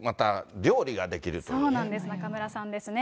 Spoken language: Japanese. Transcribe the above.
そうなんです、中村さんですね。